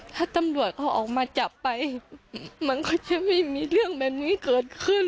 ถ้าตำรวจเขาออกมาจับไปมันก็จะไม่มีเรื่องแบบนี้เกิดขึ้น